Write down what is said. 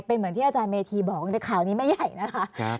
เป็นเหมือนที่อาจารย์เมธีบอกในข่าวนี้ไม่ใหญ่นะคะ